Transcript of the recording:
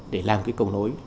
để làm cái cầu nối